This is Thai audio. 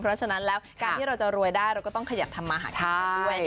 เพราะฉะนั้นแล้วการที่เราจะรวยได้เราก็ต้องขยับทำมาหากินกันด้วย